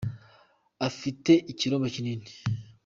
Ufite ikiromba kinini.